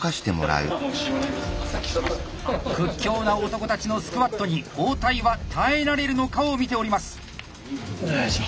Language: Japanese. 屈強な男たちのスクワットに包帯は耐えられるのかを見ております。